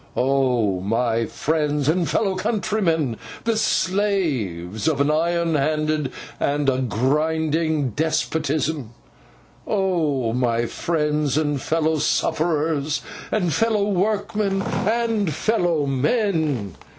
Oh, my friends and fellow countrymen, the slaves of an iron handed and a grinding despotism! Oh, my friends and fellow sufferers, and fellow workmen, and fellow men!